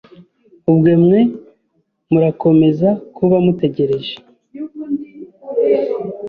ubwo mwe murakomeza kuba mutegereje.